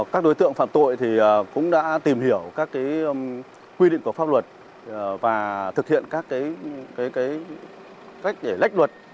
các đối tượng phạm tội cũng đã tìm hiểu các quy định của pháp luật và thực hiện các cách để lách luật